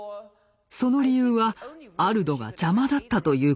その理由はアルドが邪魔だったということです。